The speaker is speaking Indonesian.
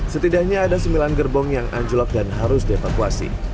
setidaknya ada sembilan gerbong yang anjlok dan harus dievakuasi